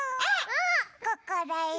ここだよ。